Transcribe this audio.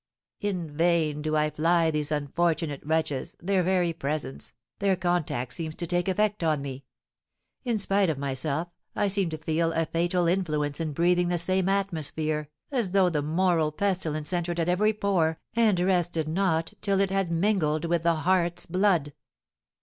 In vain do I fly these unfortunate wretches, their very presence, their contact seems to take effect on me; in spite of myself, I seem to feel a fatal influence in breathing the same atmosphere, as though the moral pestilence entered at every pore, and rested not till it had mingled with the heart's blood.